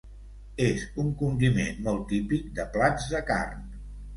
És un condiment molt típic de plats de carn.